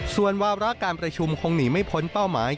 ส่วนวาระการประชุมคงหนีไม่พ้นเป้าหมาย